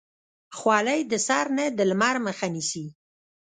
خولۍ د سر نه د لمر مخه نیسي.